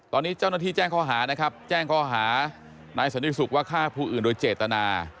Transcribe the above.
ตอนนี้เจ้านักรวัฒนาฬิตแจ้งข้อหาพอข้าพูดอื่นโดยเจตนา